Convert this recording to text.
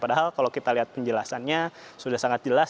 padahal kalau kita lihat penjelasannya sudah sangat jelas